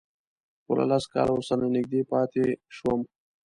پوره لس کاله ورسره نږدې پاتې شوم.